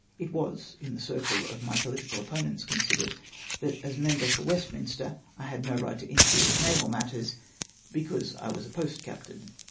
It was in the circle of my political oppo nents considered that as member for Westminster I had no right to interfere with naval matters — because I ivas a p>ost captain